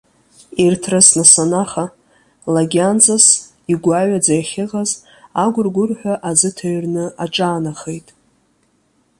Ирҭрысны санаха, лагьанҵас, игәаҩаӡа иахьыҟаз, агәыргәырҳәа аӡы ҭыҩрны аҿаанахеит.